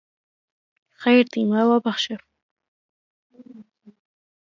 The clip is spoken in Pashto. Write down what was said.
د فبرورۍ پر پنځمه یې له سر لیویس پیلي څخه پوښتنه وکړه.